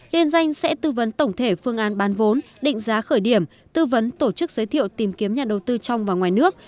liên danh sẽ tư vấn tổng thể phương án bán vốn định giá khởi điểm tư vấn tổ chức giới thiệu tìm kiếm nhà đầu tư trong và ngoài nước